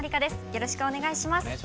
よろしくお願いします。